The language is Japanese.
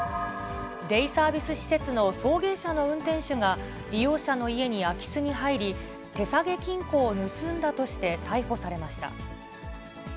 デイサービス施設の送迎車の運転手が、利用者の家に空き巣に入り、手提げ金庫を盗んだとして逮捕されました。